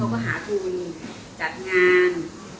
แล้วเขาก็หาทุนจัดงาน